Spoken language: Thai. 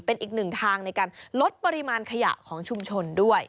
เป็นอีกหนึ่งทางในการลดปริมาณขยะของชุมชนด้วย